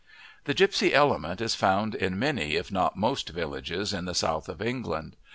The gipsy element is found in many if not most villages in the south of England.